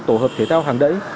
tổ hợp thể thao hàng đẩy